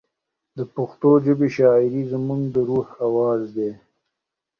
د پښتو ژبې شاعري زموږ د روح اواز دی.